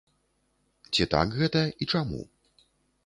Ці так гэта і чаму?